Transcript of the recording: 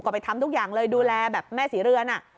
ก็ไปทำทุกอย่างเลยดูแลแบบแม่ศรีเรือน